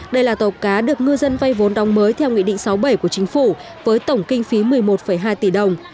đây là tàu cá được ngư dân vay vốn đóng mới theo nghị định sáu bảy của chính phủ với tổng kinh phí một mươi một hai tỷ đồng